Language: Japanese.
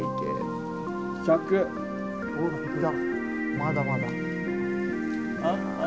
まだまだ。